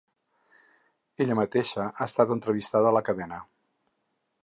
Ella mateixa ha estat entrevistada a la cadena.